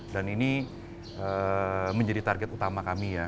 dan ini menjadi target utama kami